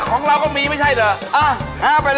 ของเราก็มีไม่ใช่เหรอ